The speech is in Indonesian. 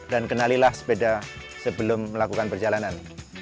dan kenalilah sepeda sebelum melakukan perjalanan